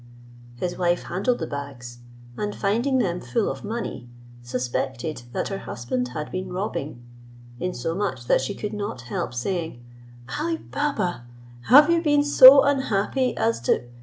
His wife handled the bags, and finding them full of money, suspected that her husband had been robbing, insomuch that she could not help saying, "Ali Baba, have you been so unhappy as to______."